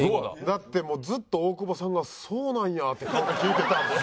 だってずっと大久保さんが「そうなんや」って顔で聞いてたもん。